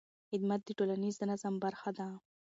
خدمت د ټولنیز نظم برخه ده.